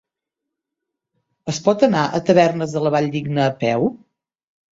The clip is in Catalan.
Es pot anar a Tavernes de la Valldigna a peu?